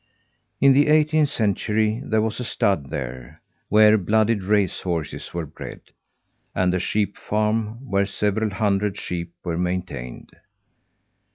In the eighteenth century there was a stud there, where blooded race horses were bred; and a sheep farm, where several hundred sheep were maintained.